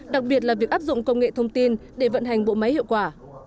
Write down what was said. đặc biệt là việc áp dụng công nghệ thông tin để vận hành bộ máy hiệu quả